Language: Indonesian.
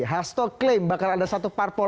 hasto klaim bakal ada satu parpol